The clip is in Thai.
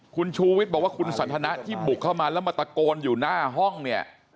คุณชูวิทย์บอกว่าคุณสันทนะที่บุกเข้ามาแล้วมาตะโกนอยู่หน้าห้องเนี่ย